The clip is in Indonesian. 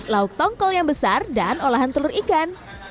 lauk tongkol yang besar dan olahan telur ikan